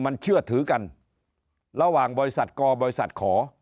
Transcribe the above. มันเชื่อถือกันระหว่างบริษัทกบริษัทขอ